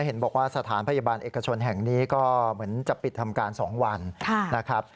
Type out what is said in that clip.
เห็นบอกว่าสถานพยาบาลเอกชนแห่งนี้ก็เหมือนจะปิดทำการ๒วันนะครับ